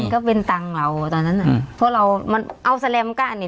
ก็เป็นตังค์เราตอนนั้นอ่ะเพราะเรามันเอาแสลมก้านเนี่ย